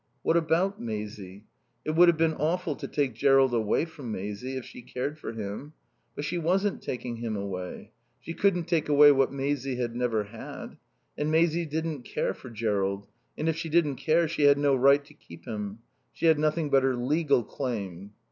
What about Maisie? It would have been awful to take Jerrold away from Maisie, if she cared for him. But she wasn't taking him away. She couldn't take away what Maisie had never had. And Maisie didn't care for Jerrold; and if she didn't care she had no right to keep him. She had nothing but her legal claim.